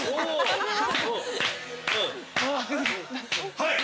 ◆はい。